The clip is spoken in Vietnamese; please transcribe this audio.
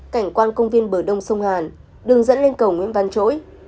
cảnh quan công viên bờ đông sông hàn đường dẫn lên cầu nguyễn văn chỗi